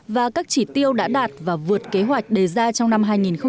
và các chỉ tiêu đã đạt và vượt kế hoạch đề ra trong năm hai nghìn một mươi tám